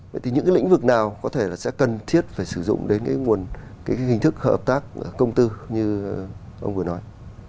vậy thì những cái lĩnh vực nào có thể là sẽ cần thiết phải sử dụng đến cái nguồn cái hình thức hợp tác công tư như ông vừa nói